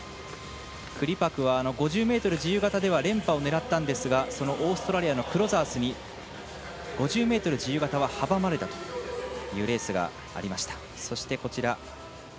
クリパクは５０ｍ自由形では連覇を狙ったんですがそのオーストラリアのクロザースに５０ｍ自由形は阻まれたというレースがありました。